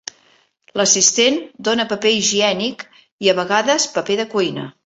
L'assistent dóna paper higiènic i, a vegades, paper de cuina.